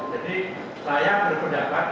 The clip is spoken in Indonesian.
jadi saya berpendapat